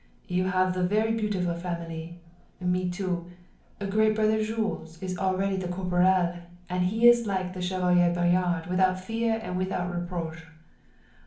You have the very beautiful family. Me too. Great brother Jules is already the corporal and he is like the Chevalier Bayard without fear and without reproach.